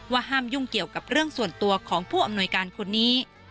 ห้ามยุ่งเกี่ยวกับเรื่องส่วนตัวของผู้อำนวยการคนนี้